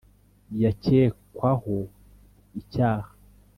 yakekwaho icyaha